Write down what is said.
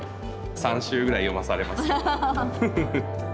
３周ぐらい読まされますけど。